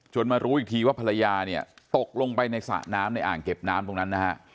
มารู้อีกทีว่าภรรยาเนี่ยตกลงไปในสระน้ำในอ่างเก็บน้ำตรงนั้นนะฮะ